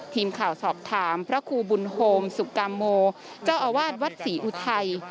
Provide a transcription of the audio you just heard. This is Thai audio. ทีมข่าวสอบถามพระครูบุญโฮมสุกาโมเจ้าอาวาสวัดศรีอุทัย